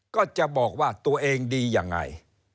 ก็จะบอกว่าตัวเองดียังไง